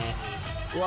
うわ！